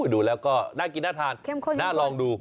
ดูแล้วก็น่ากินน่าทานน่ารองดู